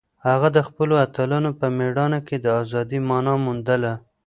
هغه د خپلو اتلانو په مېړانه کې د ازادۍ مانا موندله.